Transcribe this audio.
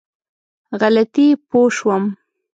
غلطي پوه شوم.